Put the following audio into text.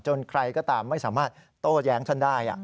ใครก็ตามไม่สามารถโต้แย้งท่านได้